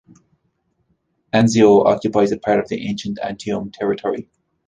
Anzio occupies a part of the ancient Antium territory.